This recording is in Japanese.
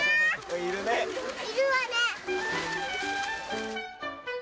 いるわね。